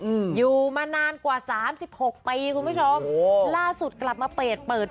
อืมอยู่มานานกว่าสามสิบหกปีคุณผู้ชมโอ้ล่าสุดกลับมาเปิดเปิด